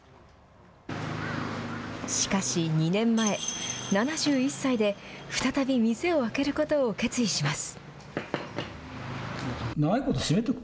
しかし２年前７１歳で再び店を開けることを決意します。